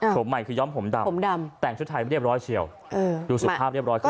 ชมใหม่คือย้อมผมดำแต่งชุดไทยเรียบร้อยเชียวดูสภาพเรียบร้อยขึ้นมา